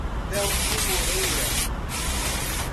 Delfim Moreira